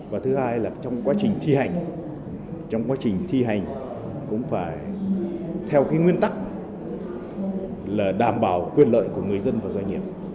và thứ hai là trong quá trình thi hành trong quá trình thi hành cũng phải theo cái nguyên tắc là đảm bảo quyền lợi của người dân và doanh nghiệp